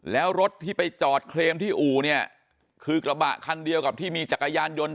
แล้วรถที่ไปจอดเคลมที่อู่เนี่ยคือกระบะคันเดียวกับที่มีจักรยานยนต์